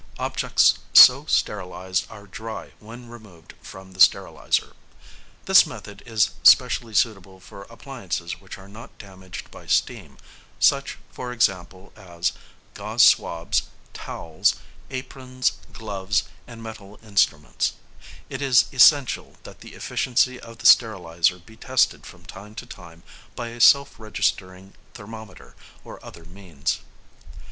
Objects so sterilised are dry when removed from the steriliser. This method is specially suitable for appliances which are not damaged by steam, such, for example, as gauze swabs, towels, aprons, gloves, and metal instruments; it is essential that the efficiency of the steriliser be tested from time to time by a self registering thermometer or other means.